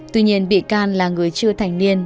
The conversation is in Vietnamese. tuy nhiên bị can là người chưa thành niên